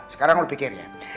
sekarang lo pikir ya